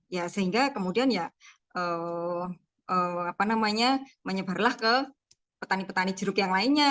ya sehingga kemudian ya apa namanya menyebarlah ke petani petani jeruk yang lainnya